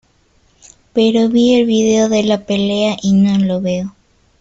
Pero vi el video de la pelea y no lo veo.